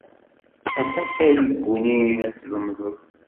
Aṭas ay k-yeggunin ad t-tlemded.